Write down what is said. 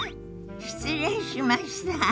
失礼しました。